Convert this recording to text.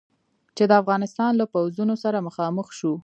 چې د افغانستان له پوځونو سره مخامخ شو.